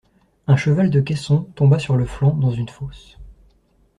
Un cheval de caisson tomba sur le flanc, dans une fosse.